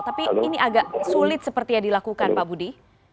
tapi ini agak sulit seperti yang dilakukan pak budi